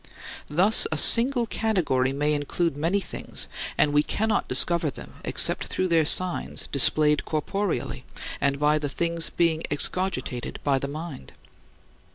Thus a single category may include many things, and we cannot discover them except through their signs displayed corporeally and by the things being excogitated by the mind.